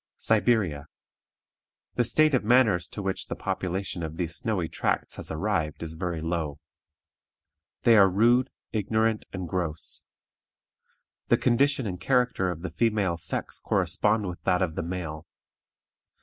SIBERIA. The state of manners to which the population of these snowy tracts has arrived is very low. They are rude, ignorant, and gross. The condition and character of the female sex correspond with that of the male.